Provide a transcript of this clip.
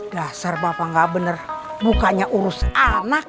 gasar bapak nggak bener bukannya urus anak